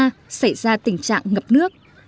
đã xảy ra tình trạng ngập nước